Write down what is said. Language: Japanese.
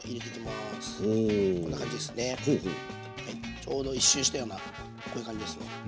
ちょうど１周したようなこういう感じですね。